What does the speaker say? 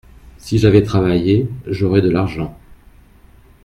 Si j’avais travaillé, j’aurais de l’argent.